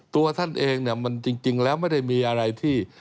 ตัวท่านเองเนี่ยมันจริงแล้วไม่ได้มีอะไรที่